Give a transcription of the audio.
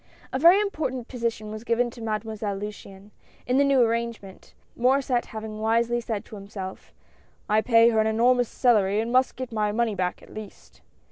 A very important position was given to Made moiselle Luciane, in the new arrangement, Mauressct having wisely said to himself: " I pay her an enormous salary, and must get my money back, at least